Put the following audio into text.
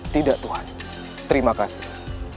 tidak tuhan terima kasih